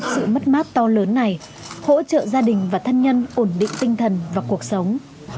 sự mất mát to lớn này hỗ trợ gia đình và thân nhân ổn định tinh thần và cuộc sống